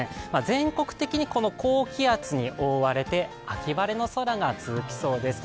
全国的にこの高気圧に覆われて秋晴れの空が続きそうです。